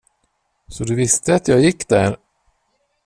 Så du visste att jag gick där?